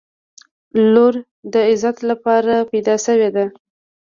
• لور د عزت لپاره پیدا شوې ده.